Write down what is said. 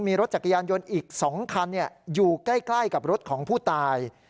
มีรถจักรยานยนต์อีก๒คันอยู่ใกล้กับรถของผู้ตาย